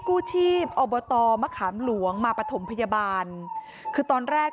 กู้ชีพอบตมะขามหลวงมาปฐมพยาบาลคือตอนแรก